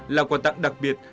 là quà tặng đặc biệt